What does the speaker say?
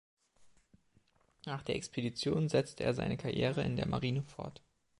Nach der Expedition setzte er seine Karriere in der Marine fort.